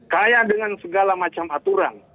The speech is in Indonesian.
kaya dengan segala macam aturan